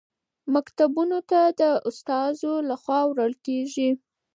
مکتوبونه د استازو لخوا وړل کیږي.